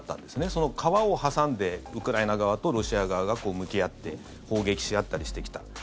その川を挟んでウクライナ側とロシア側が向き合って砲撃し合ったりしてきた。